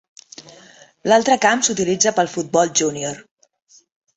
L'altre camp s'utilitza pel futbol júnior.